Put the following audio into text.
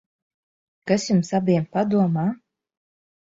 Kas jums abiem padomā?